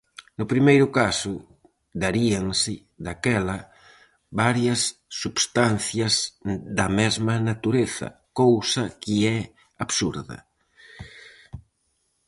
No primeiro caso, daríanse, daquela, varias substancias da mesma natureza, cousa que é absurda.